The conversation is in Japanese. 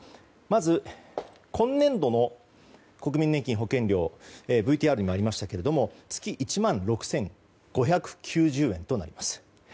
まず、今年度の国民年金保険料ＶＴＲにもありましたけれども月１万６５９０円となります。